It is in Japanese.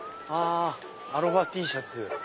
アロハＴシャツ。